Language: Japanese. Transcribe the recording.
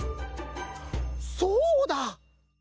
そうだ！